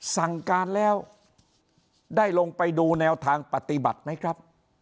สั่งการแล้วได้ลงไปดูแนวทางปฏิบัติไหมครับ